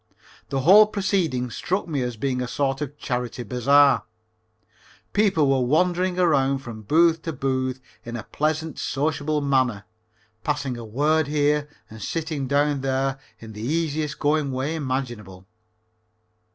The whole proceeding struck me as being a sort of charity bazaar. People were wandering around from booth to booth, in a pleasant sociable manner, passing a word here and sitting down there in the easiest going way imaginable.